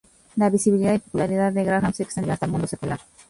La visibilidad y popularidad de Graham se extendió hasta el mundo secular.